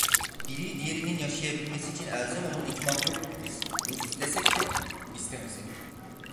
Biri diğerinin yaşayabilmesi için elzem olan iki mahluktuk biz, bunu istesek de, istemesek de…